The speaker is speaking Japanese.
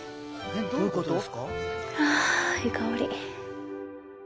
ああいい香り。